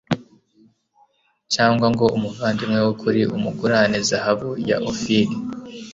cyangwa ngo umuvandimwe w'ukuri umugurane zahabu ya ofiri